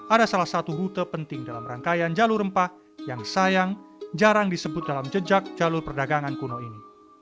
ada salah satu rute penting dalam rangkaian jalur rempah yang sayang jarang disebut dalam jejak jalur perdagangan kuno ini